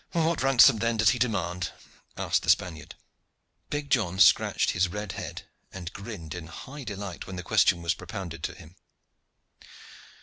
"What ransom, then, does he demand?" asked the Spaniard. Big John scratched his red head and grinned in high delight when the question was propounded to him.